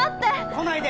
来ないで！